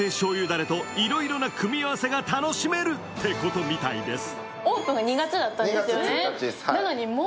だれといろいろな組み合わせが楽しめるってことみたいです。